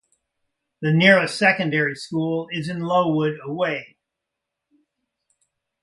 The nearest secondary school is in Lowood away.